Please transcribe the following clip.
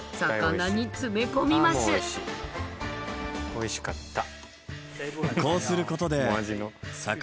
おいしかった。